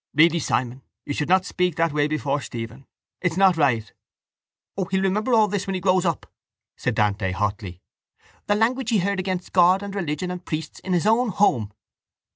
—Really, Simon, you should not speak that way before Stephen. It's not right. —O, he'll remember all this when he grows up, said Dante hotly—the language he heard against God and religion and priests in his own home.